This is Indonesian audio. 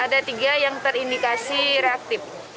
ada tiga yang terindikasi reaktif